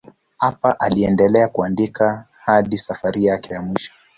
Hapa aliendelea kuandika hadi safari yake ya mwisho.